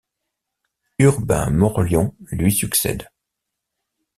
Urbain Morlion lui succède.